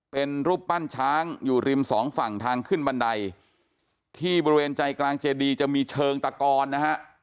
เป็นรูปปั้นช้างอยู่ริมสองฝั่งทางขึ้นบันไดที่บริเวณใจกลางเจดีจะมีเชิงตะกอนนะฮะ